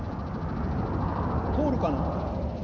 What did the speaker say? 通るかな？